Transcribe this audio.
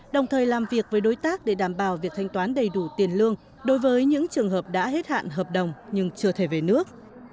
đồng thời làm việc với đối tác để đảm bảo việc thanh toán đầy đủ tiền lương đối với những trường hợp đã hết hạn hợp đồng nhưng chưa thể về nước